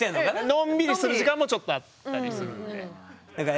のんびりする時間もちょっとあったりするんで。